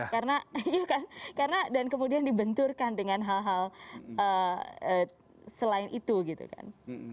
karena iya kan karena dan kemudian dibenturkan dengan hal hal selain itu gitu kan